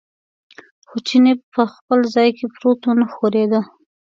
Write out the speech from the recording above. خو چیني په خپل ځای کې پروت و، نه ښورېده.